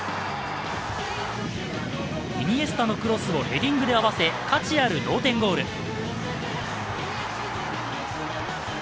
イニエスタのクロスをヘディングで合わせ、価値ある同点ゴール。